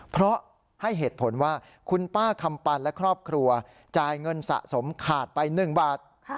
เพราะให้เหตุผลว่าคุณป้าคำปันและครอบครัวจ่ายเงินสะสมขาดไป๑บาท